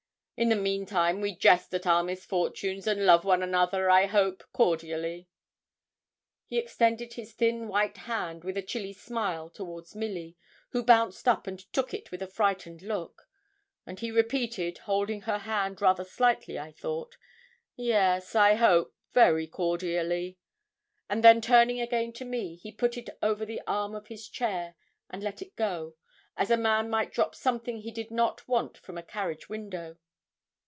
In the meantime we jest at our misfortunes, and love one another, I hope, cordially.' He extended his thin, white hand with a chilly smile towards Milly, who bounced up, and took it with a frightened look; and he repeated, holding her hand rather slightly I thought, 'Yes, I hope, very cordially,' and then turning again to me, he put it over the arm of his chair, and let it go, as a man might drop something he did not want from a carriage window.